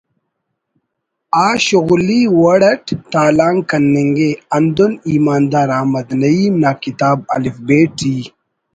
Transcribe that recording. آ شغلی وڑ اٹ تالان کننگے ہندن ایماندار احمد نعیم نا کتاب ”الف ب“ ٹی